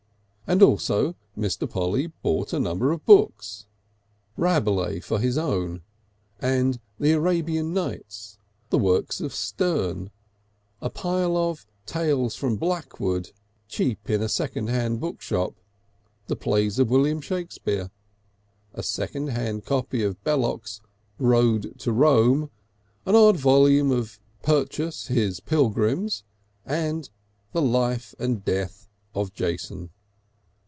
And also Mr. Polly bought a number of books, Rabelais for his own, and "The Arabian Nights," the works of Sterne, a pile of "Tales from Blackwood," cheap in a second hand bookshop, the plays of William Shakespeare, a second hand copy of Belloc's "Road to Rome," an odd volume of "Purchas his Pilgrimes" and "The Life and Death of Jason."